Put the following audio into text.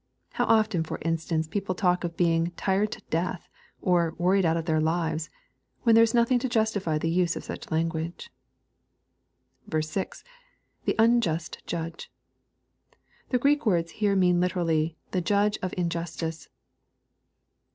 How often for in stance people talk of being " tired to death," or " worried out of their Uves," when there is nothing to justify the use of such lan guage. fj. — [The unjust judge,] The Greek words here mean literally *'the ]udge of injustice."